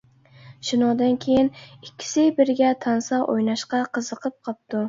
شۇنىڭدىن كېيىن ئىككىسى بىرگە تانسا ئويناشقا قىزىقىپ قاپتۇ.